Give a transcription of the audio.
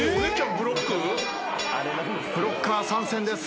ブロッカー参戦です。